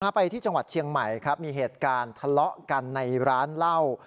ไปที่จังหวัดเชียงใหม่ครับมีเหตุการณ์ทะเลาะกันในร้านเหล้า